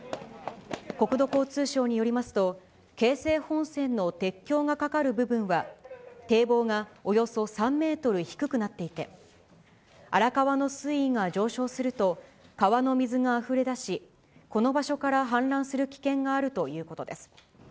国土交通省によりますと、京成本線の鉄橋が架かる部分は、堤防がおよそ３メートル低くなっていて、荒川の水位が上昇すると、川の水があふれ出し、この場所から氾濫する危険があるということです。